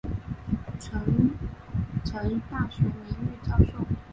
成城大学名誉教授。